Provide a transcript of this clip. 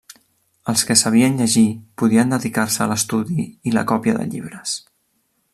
Els que sabien llegir podien dedicar-se a l'estudi i la còpia de llibres.